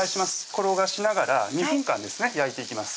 転がしながら２分間ですね焼いていきます